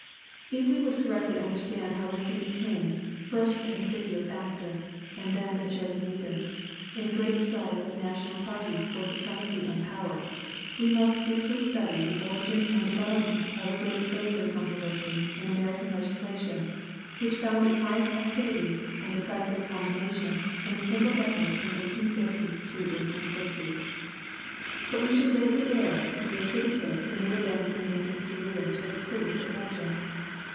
If we would correctly understand how Lincoln became, first a conspicuous actor, and then a chosen leader, in a great strife of national parties for supremacy and power, we must briefly study the origin and development of the great slavery controversy in American legislation which found its highest activity and decisive culmination in the single decade from 1850 to 1860. But we should greatly err if we attributed the new events in Lincoln's career to the caprice of fortune.